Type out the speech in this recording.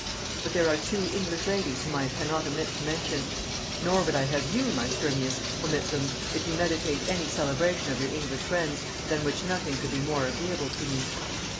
But there are two English ladies whom I cannot omit to mention; nor would I have you, my Sturmius, omit them, if you meditate any celebration of your English friends, than which nothing could be more agreeable to me.